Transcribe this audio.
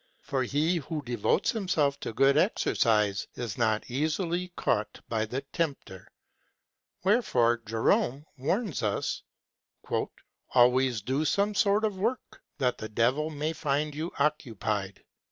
For he who devotes himself to good exercise is not easily caught by the tempter; wherefore Jerome^ warns us: "Always do some sort of work, that the devil may find you occupied."